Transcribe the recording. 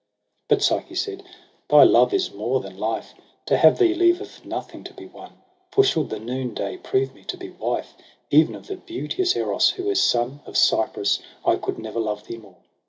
But Psyche said, ' Thy love is more than life ; To have thee leaveth nothing to be won : For should the noonday prove me to be wife Even of the beauteous Eros, who is son Of Cypris, I coud never love thee more.'